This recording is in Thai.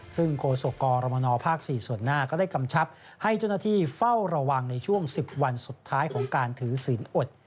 ซึ่งโฆษกรมนภ๔ส่วนหน้าก็ได้กำชับให้เจ้าหน้าที่เฝ้าระวังในช่วง๑๐วันสุดท้ายของการถือศีลอด